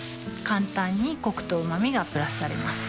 簡単にコクとうま味がプラスされます